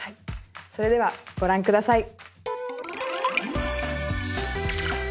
それではご覧下さい。